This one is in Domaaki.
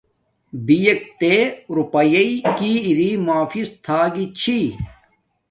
بیکے تے روپاݵݵ کی اری مافض تھا گی چھی،